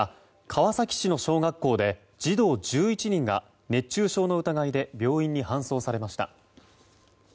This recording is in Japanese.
川崎市の小学校で児童１１人が熱中症の疑いで病院に搬送されました。